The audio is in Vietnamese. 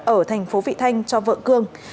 ở thành phố vị thanh cho vợ cương